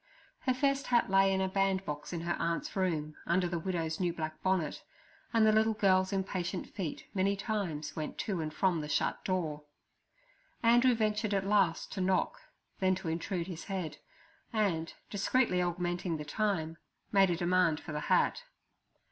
Her first hat lay in a bandbox in her aunt's room, under the widow's new black bonnet, and the little girl's impatient feet many times went to and from the shut door. Andrew ventured at last to knock, then to intrude his head, and, discreetly augmenting the time, made a demand for the hat.